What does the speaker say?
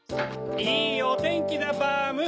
いいおてんきだバーム！